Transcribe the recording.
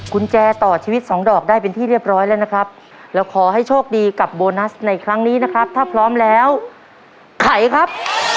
กุญแจต่อชีวิตสองดอกได้เป็นที่เรียบร้อยแล้วนะครับแล้วขอให้โชคดีกับโบนัสในครั้งนี้นะครับถ้าพร้อมแล้วไขครับ